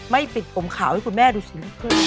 ไม่ปิดผมขาวให้คุณแม่ดูสินะครับ